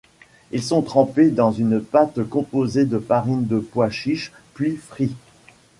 Ils sont trempés dans une pâte composée de farine de pois chiche puis frits.